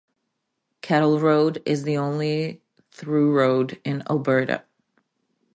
Kettle Road is the only through road in Elberta.